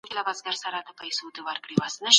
بهرنۍ تګلاره د سولي لپاره تل کافي وسیله نه وي.